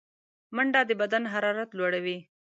منډه د بدن حرارت لوړوي